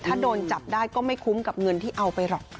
ถ้าโดนจับได้ก็ไม่คุ้มกับเงินที่เอาไปหรอก